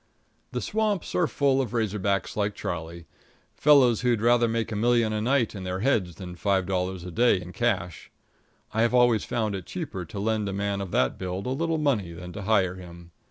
The swamps are full of razor backs like Charlie, fellows who'd rather make a million a night in their heads than five dollars a day in cash. I have always found it cheaper to lend a man of that build a little money than to hire him.